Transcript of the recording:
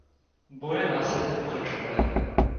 Boje následně pokračovaly.